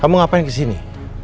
kamu ngapain ke sini